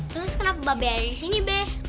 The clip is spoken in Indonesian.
terus kenapa babe ada di sini be